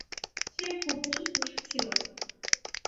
সে খুব বেশি খুশি ছিল না।